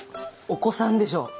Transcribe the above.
お子さんでしょう？